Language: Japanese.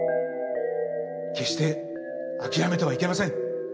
決して諦めてはいけません！